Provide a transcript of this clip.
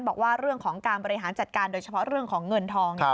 บอกว่าเรื่องของการบริหารจัดการโดยเฉพาะเรื่องของเงินทอง